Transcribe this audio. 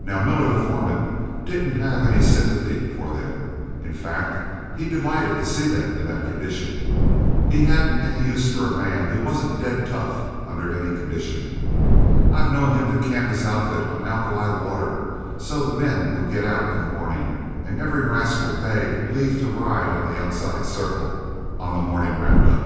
"Now, Miller, the foreman, didn't have any sympathy for them; in fact he delighted to see them in that condition. He hadn't any use for a man who wasn't dead tough under any condition. I've known him to camp his outfit on alkali water, so the men would get out in the morning, and every rascal beg leave to ride on the outside circle on the morning roundup.